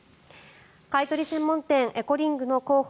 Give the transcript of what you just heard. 買い取り専門店エコリングの広報